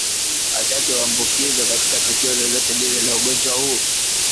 wachache huambukizwa katika tukio lolote lile la ugonjwa huu